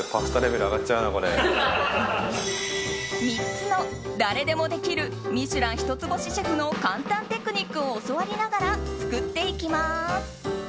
３つの、誰でもできる「ミシュラン」一つ星シェフの簡単テクニックを教わりながら作っていきます。